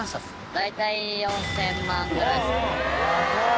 大体４０００万ぐらいですかね。